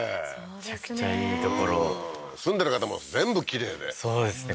めちゃくちゃいい所住んでる方も全部きれいでそうですね